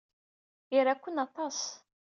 Ira-ken aṭas.